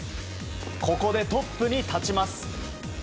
ここでトップに立ちます。